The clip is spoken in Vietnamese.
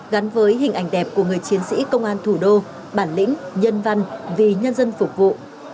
gắn với hình ảnh đẹp của người chiến sĩ công an thủ đô bản lĩnh nhân văn vì nhân dân phục vụ